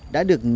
đã được xác định